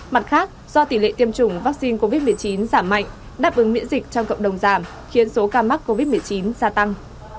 mặt khác do tỷ lệ tiêm chủng vaccine covid một mươi chín giảm mạnh đáp ứng miễn dịch trong cộng đồng giảm khiến số ca mắc covid một mươi chín gia tăng